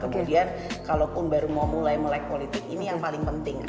kemudian kalaupun baru mau mulai melek politik ini yang paling penting